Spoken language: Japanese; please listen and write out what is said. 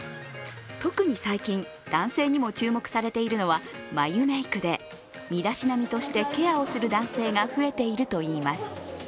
特に最近、男性にも注目されているのは眉メークで身だしなみとしてケアをする男性が増えているといいます。